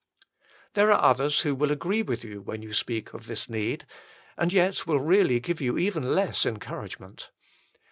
There are others who will agree with you when you speak of this need, and yet will really give you even less encouragement.